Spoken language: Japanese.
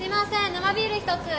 生ビール１つ。